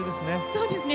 そうですね。